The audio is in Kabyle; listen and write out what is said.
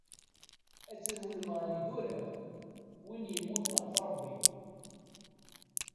Ad trewlem ɣer yidurar, win yemmuten ɣef Ṛebbi.